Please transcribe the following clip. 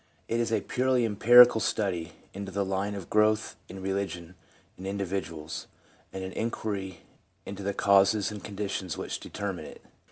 It is a purely empirical study into the Line of Growth in Re ligion in individuals, and an inquiry into the causes and conditions which determine it.